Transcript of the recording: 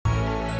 jadi saya bebas